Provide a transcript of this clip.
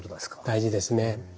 大事ですね。